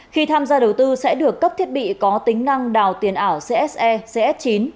khi tham gia đầu tư sẽ được cấp thiết bị có tính năng đào tiền ảo cse chín